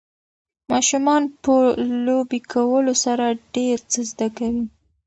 ماشومان په لوبې کولو سره ډېر څه زده کوي.